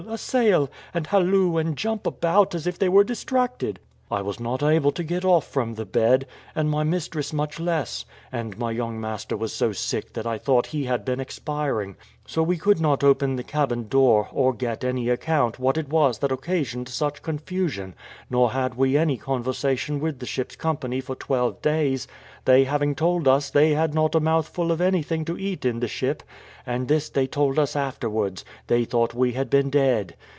a sail!' and halloo and jump about as if they were distracted. I was not able to get off from the bed, and my mistress much less; and my young master was so sick that I thought he had been expiring; so we could not open the cabin door, or get any account what it was that occasioned such confusion; nor had we had any conversation with the ship's company for twelve days, they having told us that they had not a mouthful of anything to eat in the ship; and this they told us afterwards they thought we had been dead.